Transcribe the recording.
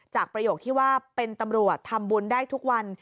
ประโยคที่ว่าเป็นตำรวจทำบุญได้ทุกวัน